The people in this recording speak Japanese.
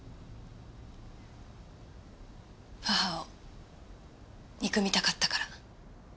母を憎みたかったから。